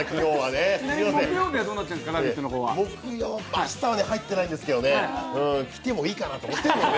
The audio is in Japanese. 明日は入ってないんですけどね、来てもいいかなと思ってますね。